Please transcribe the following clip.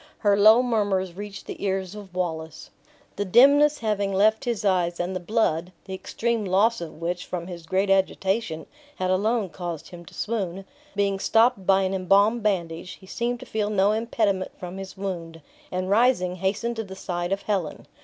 Her low murmurs reached the ears of Wallace. The dimness having left his eyes, and the blood (the extreme loss of which, from his great agitation, had alone caused him to swoon), being stopped by an embalmed bandage, he seemed to feel no impediment from his wound; and rising, hastened to the side of Helen.